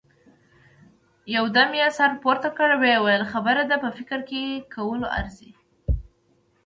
يودم يې سر پورته کړ، ويې ويل: خبره دې په فکر کولو ارزي.